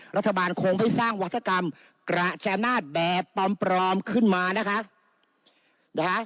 รัฐบาลคงไม่สร้างวัฒกรรมกระชายนาฏแบบปลอมขึ้นมานะคะ